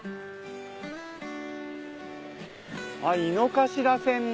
井の頭線だ！